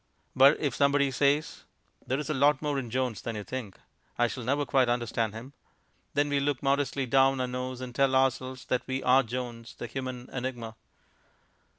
But if somebody says, "There's a lot more in Jones than you think; I shall never quite understand him," then we look modestly down our nose and tell ourselves that we are Jones, the Human Enigma.